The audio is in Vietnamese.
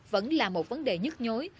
vẫn là một vấn đề nhất nhối